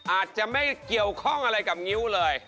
อาจจะไม่เกี่ยวข้องอะไรกับงิ้วเลย